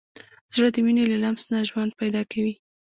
زړه د مینې له لمس نه ژوند پیدا کوي.